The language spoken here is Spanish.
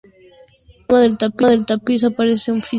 Por encima del tapiz aparece un friso con dos carteles.